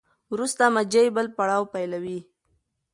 وروسته مچۍ بل پړاو پیلوي.